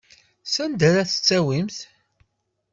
Sanda ara t-tawimt?